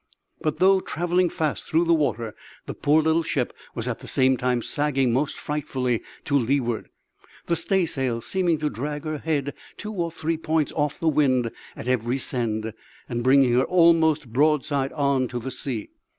But though travelling fast through the water, the poor little ship was at the same time sagging most frightfully to leeward, the staysail seeming to drag her head two or three points off the wind at every send, and bringing her almost broadside on to the sea.